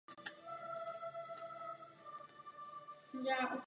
Starému.